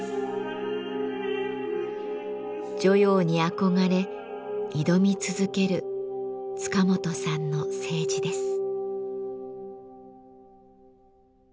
汝窯に憧れ挑み続ける塚本さんの青磁です。